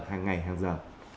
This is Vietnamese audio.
hàng ngày hàng giờ